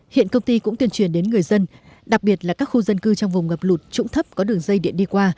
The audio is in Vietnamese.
hiện công ty cũng tuyên truyền đến người dân đặc biệt là các khu dân cư trong vùng ngập lụt trũng thấp có đường dây điện đi qua